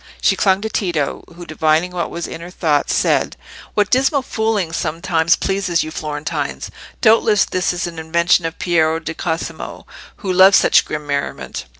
She clung to Tito, who, divining what was in her thoughts, said— "What dismal fooling sometimes pleases your Florentines! Doubtless this is an invention of Piero di Cosimo, who loves such grim merriment."